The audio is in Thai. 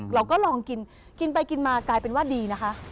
เราก็ลองกินกินไปกินมากลายเป็นว่าดีนะคะ